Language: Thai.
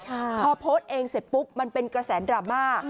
พอโพสต์เองเสร็จปุ๊บมันเป็นกระแสดราม่า